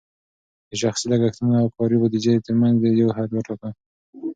د شخصي لګښتونو او کاري بودیجې ترمنځ دې یو حد وټاکه.